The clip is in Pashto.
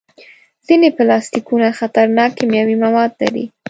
ځینې پلاستيکونه خطرناک کیمیاوي مواد لري.